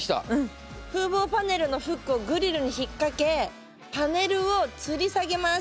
「風防パネルのフックをグリルに引っ掛けパネルをつり下げます」。